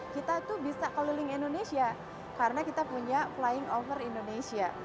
kita tuh bisa keliling indonesia karena kita punya flying over indonesia